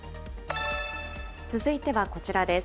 続いてはこちらです。